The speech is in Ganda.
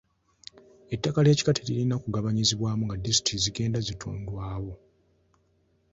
Ettaka ly'ekika teririna kugabanyizibwamu nga disitulikiti zigenda zitondwawo.